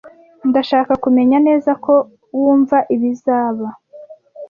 Ndashaka kumenya neza ko wumva ibizaba.